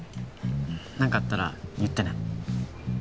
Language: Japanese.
なんかあったら言ってね。